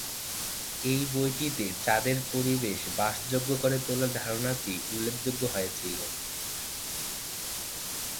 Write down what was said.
এই বইটিতে চাঁদের পরিবেশ বাসযোগ্য করে তোলার ধারণাটি উল্লিখিত হয়েছিল।